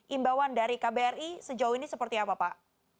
imbauan dari kbri sejauh ini seperti apa pak